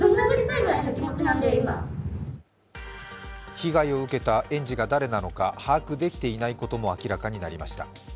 被害を受けた園児が誰なのか把握できていないことも明らかになりました。